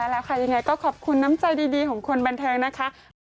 แล้วค่ะยังไงก็ขอบคุณน้ำใจดีของคนบันเทิงนะคะ